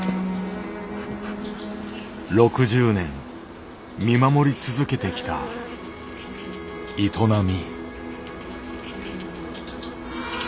６０年見守り続けてきた営み。